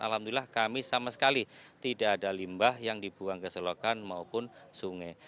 alhamdulillah kami sama sekali tidak ada limbah yang dibuang ke selokan maupun sungai